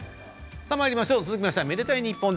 続いては「愛でたいｎｉｐｐｏｎ」